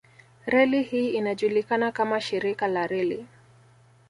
Reli hii inajulikana kama shirika la reli